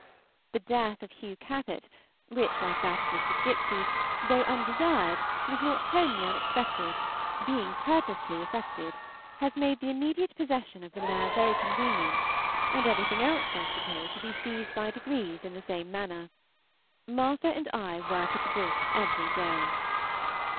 The death of Hugh Capet, which, like that of Mr. Skipsey, though undesired, was not wholly unexpected, being purposely effected, has made the immediate possession of the mare very convenient, and everything else I suppose will be seized by degrees in the same manner. Martha and I work at the books every day.